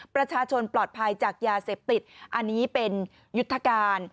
ประชาชนปลอดภัยจากยาเสพติดอันนี้เป็นยุทธการ